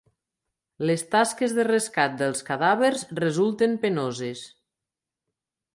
Les tasques de rescat dels cadàvers resulten penoses.